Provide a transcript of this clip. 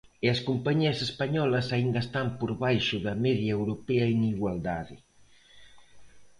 E as compañías españolas aínda están por baixo da media europea en igualdade.